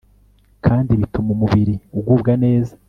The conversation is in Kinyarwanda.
kandi bituma umubiri ugubwa neza